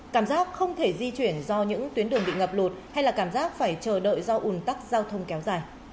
cảm giác không thể di chuyển do những tuyến đường bị ngập lụt hay là cảm giác phải chờ đợi do ủn tắc giao thông kéo dài